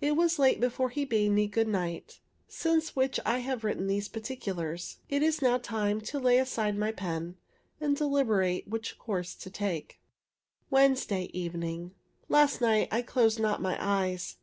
It was late before he bade me good night, since which I have written these particulars. It is now time to lay aside my pen, and deliberate what course to take. Wednesday evening. Last night I closed not my eyes.